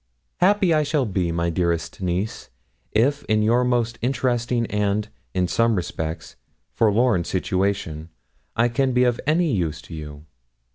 Happy shall I be, my dearest niece, if in your most interesting and, in some respects, forlorn situation, I can be of any use to you.